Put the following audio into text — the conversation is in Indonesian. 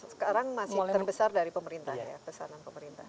sekarang masih terbesar dari pemerintah